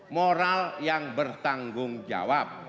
moral yang bertanggung jawab